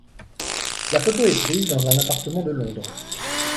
La photo est prise dans un appartement de Londres.